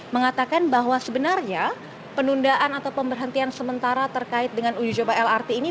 mengatakan bahwa sebenarnya penundaan atau pemberhentian sementara terkait dengan uji coba lrt ini